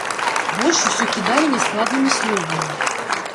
Больш усё кідалі няскладнымі словамі.